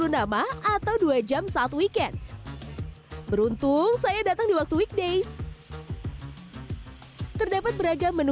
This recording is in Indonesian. nama atau dua jam saat weekend beruntung saya datang di waktu weekdays terdapat beragam menu